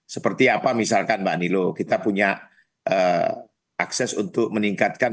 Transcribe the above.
seperti apa misalkan mbak nilo kita punya akses untuk meningkatkan